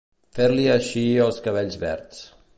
Fer-li eixir els cabells verds.